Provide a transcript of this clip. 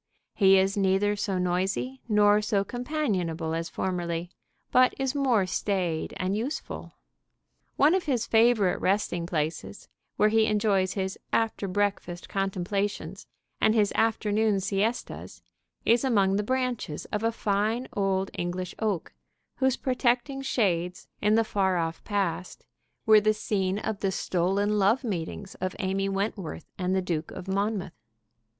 He is neither so noisy nor so companionable as formerly, but is more staid and useful. One of his favorite resting places, where he enjoys his after breakfast contemplations and his afternoon siestas, is among the branches of a fine old English oak, whose protecting shades, in the far off past, were the scene of the stolen love meetings of Amy Wentworth and the Duke of Monmouth.